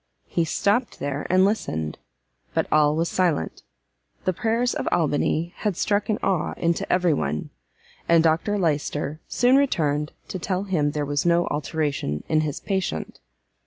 He stopt there and listened; but all was silent; the prayers of Albany had struck an awe into every one; and Dr Lyster soon returned to tell him there was no alteration in his patient.